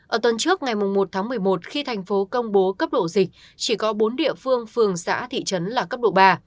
ở tuần trước ngày một tháng một mươi một khi thành phố công bố cấp độ dịch chỉ có bốn địa phương phường xã thị trấn là cấp độ ba